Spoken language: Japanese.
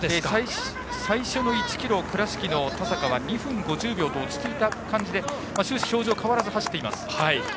最初の１ｋｍ、倉敷の田坂は２分５０秒と落ち着いた感じで終始、表情も変わらず走っています。